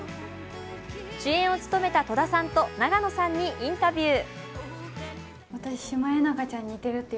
主演を務めた戸田さんと永野さんにインタビュー。